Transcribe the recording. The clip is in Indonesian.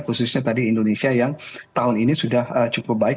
khususnya tadi indonesia yang tahun ini sudah cukup baik